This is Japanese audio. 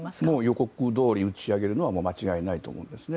予告通り打ち上げるのは間違いないと思うんですね。